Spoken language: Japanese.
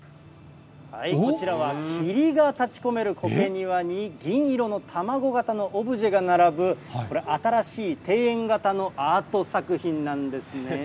こちらは霧が立ちこめるこけ庭に、銀色の卵型のオブジェが並ぶ、これ、新しい庭園型のアート作品なんですね。